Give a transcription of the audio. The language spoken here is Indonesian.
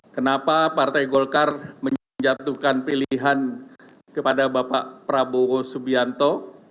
kenapa partai golkar menjatuhkan pilihan kepada bapak prabowo subianto